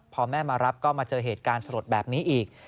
พอแม่มารับก็มาเจอเหตุการณ์สลดแบบนี้อีก